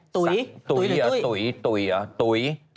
ตุ๋ยหรือตุ๋ย